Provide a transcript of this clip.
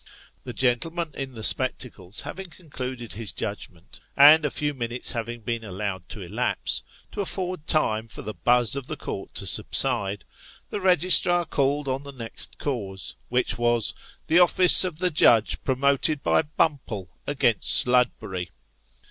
The gentleman in the spectacles having concluded his judgment, and a few minutes having been allowed to elapse, to afford time for the buzz in the Court to subside, the registrar called on the next The Arches Court. 65 cause, which was " the office of the Judge promoted by Bumple against Sludberry."